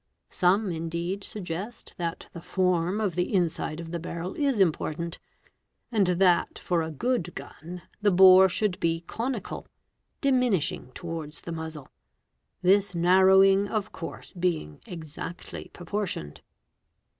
Some indeed suggest that the form of the inside of the barrel is important, and that for a good gun the | bore should be conical, diminishing towards the muzzle; this narrowing of course being exactly proportioned.